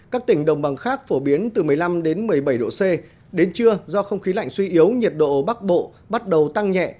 các tỉnh đồng bằng khác phổ biến từ một mươi năm một mươi bảy độ c đến trưa do không khí lạnh suy yếu nhiệt độ bắc bộ bắt đầu tăng nhẹ